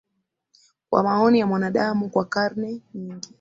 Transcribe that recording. kwa maoni ya mwanadamu kwa karne nyingi